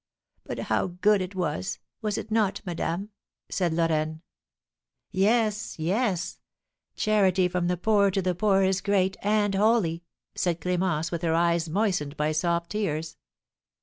But how good it was! Was it not, madame?" said Lorraine. "Yes, yes; charity from the poor to the poor is great and holy!" said Clémence, with her eyes moistened by soft tears.